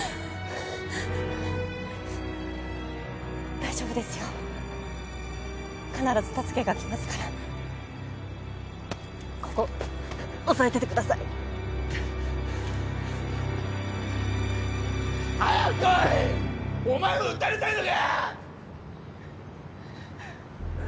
大丈夫ですよ必ず助けが来ますからここ押さえててください早く来いお前も撃たれたいのか！